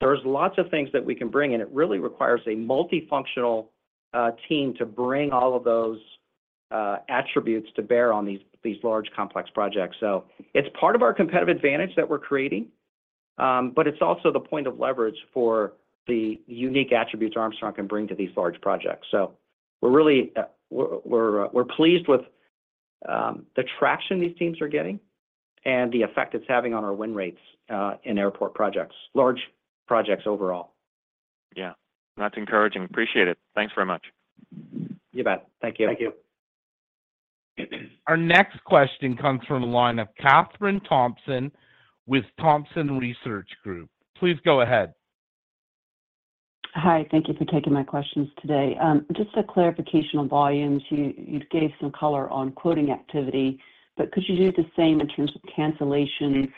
there's lots of things that we can bring, and it really requires a multifunctional team to bring all of those attributes to bear on these large, complex projects. So it's part of our competitive advantage that we're creating, but it's also the point of leverage for the unique attributes Armstrong can bring to these large projects. So we're pleased with the traction these teams are getting and the effect it's having on our win rates in airport projects, large projects overall. Yeah. That's encouraging. Appreciate it. Thanks very much. You bet. Thank you. Thank you. Our next question comes from a line of Kathryn Thompson with Thompson Research Group. Please go ahead. Hi. Thank you for taking my questions today. Just a clarification on volumes. You gave some color on quoting activity, but could you do the same in terms of cancellations?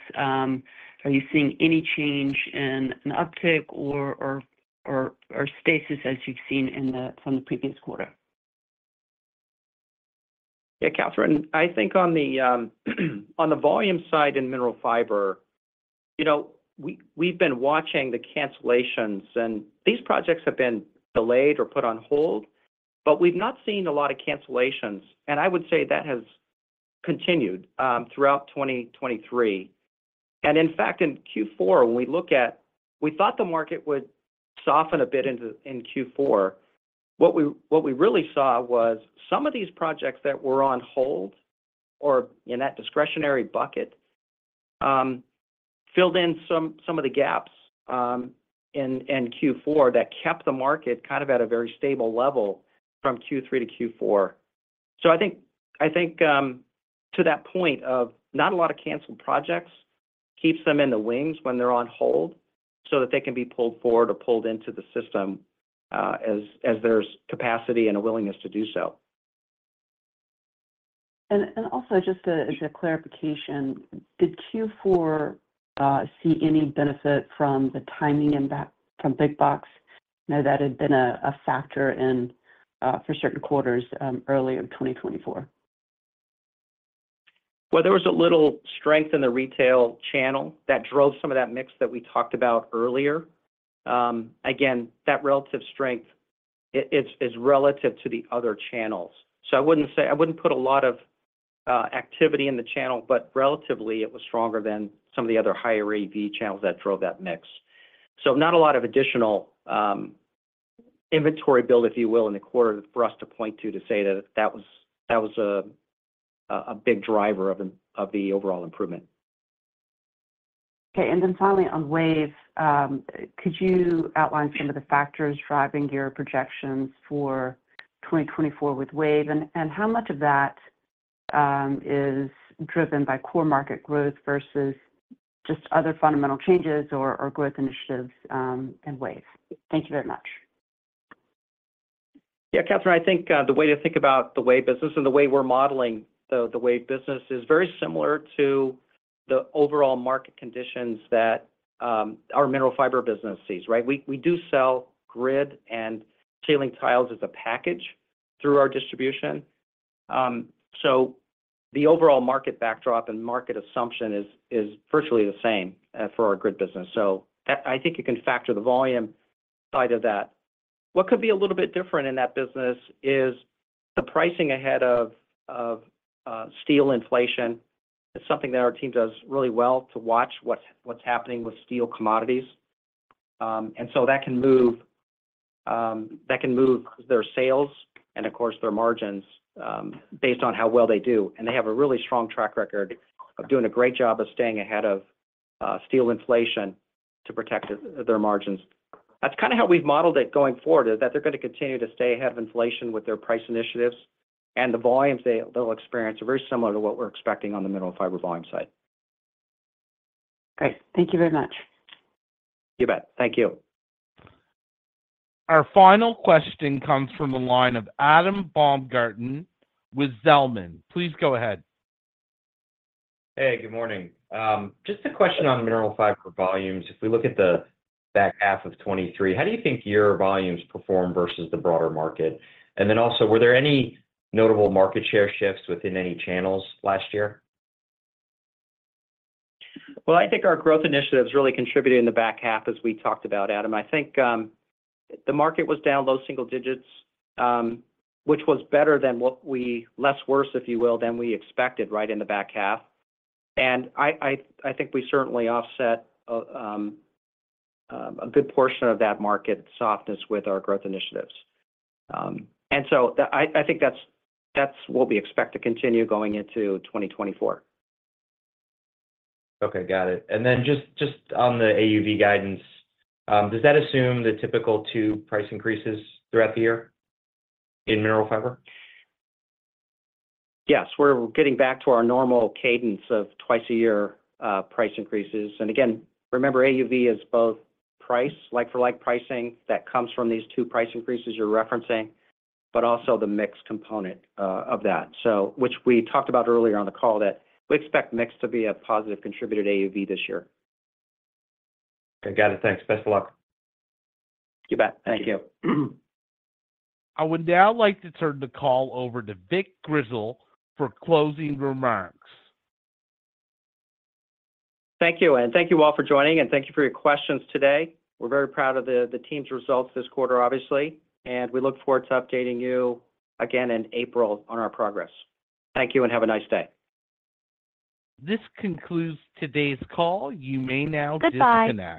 Are you seeing any change in uptake or stasis as you've seen from the previous quarter? Yeah, Kathryn. I think on the volume side in Mineral Fiber, we've been watching the cancellations, and these projects have been delayed or put on hold, but we've not seen a lot of cancellations. I would say that has continued throughout 2023. In fact, in Q4, when we look at, we thought the market would soften a bit in Q4. What we really saw was some of these projects that were on hold or in that discretionary bucket filled in some of the gaps in Q4 that kept the market kind of at a very stable level from Q3-Q4. So I think to that point of not a lot of canceled projects keeps them in the wings when they're on hold so that they can be pulled forward or pulled into the system as there's capacity and a willingness to do so. And also just as a clarification, did Q4 see any benefit from the timing from Big Box? I know that had been a factor for certain quarters earlier in 2024. Well, there was a little strength in the retail channel that drove some of that mix that we talked about earlier. Again, that relative strength is relative to the other channels. So I wouldn't say I wouldn't put a lot of activity in the channel, but relatively, it was stronger than some of the other higher AUV channels that drove that mix. So not a lot of additional inventory build, if you will, in the quarter for us to point to to say that that was a big driver of the overall improvement. Okay. And then finally, on WAVE, could you outline some of the factors driving your projections for 2024 with WAVE? And how much of that is driven by core market growth versus just other fundamental changes or growth initiatives in WAVE? Thank you very much. Yeah, Kathryn, I think the way to think about the WAVE business and the way we're modeling the WAVE business is very similar to the overall market conditions that our Mineral Fiber business sees, right? We do sell grid and ceiling tiles as a package through our distribution. So the overall market backdrop and market assumption is virtually the same for our grid business. So I think you can factor the volume side of that. What could be a little bit different in that business is the pricing ahead of steel inflation. It's something that our team does really well to watch what's happening with steel commodities. And so that can move their sales and, of course, their margins based on how well they do. And they have a really strong track record of doing a great job of staying ahead of steel inflation to protect their margins. That's kind of how we've modeled it going forward, is that they're going to continue to stay ahead of inflation with their price initiatives. The volumes they'll experience are very similar to what we're expecting on the Mineral Fiber volume side. Okay. Thank you very much. You bet. Thank you. Our final question comes from a line of Adam Baumgarten with Zelman. Please go ahead. Hey, good morning. Just a question on Mineral Fiber volumes. If we look at the back half of 2023, how do you think your volumes perform versus the broader market? And then also, were there any notable market share shifts within any channels last year? Well, I think our growth initiative is really contributing in the back half, as we talked about, Adam. I think the market was down low single digits, which was better than what we less worse, if you will, than we expected, right, in the back half. I think we certainly offset a good portion of that market softness with our growth initiatives. So I think that's what we expect to continue going into 2024. Okay. Got it. And then just on the AUV guidance, does that assume the typical two price increases throughout the year in Mineral Fiber? Yes. We're getting back to our normal cadence of twice-a-year price increases. And again, remember, AUV is both price, like-for-like pricing that comes from these two price increases you're referencing, but also the mixed component of that, which we talked about earlier on the call that we expect mixed to be a positive contributed AUV this year. Okay. Got it. Thanks. Best of luck. You bet. Thank you. I would now like to turn the call over to Vic Grizzle for closing remarks. Thank you, and thank you all for joining, and thank you for your questions today. We're very proud of the team's results this quarter, obviously. We look forward to updating you again in April on our progress. Thank you, and have a nice day. This concludes today's call. You may now disconnect. Goodbye.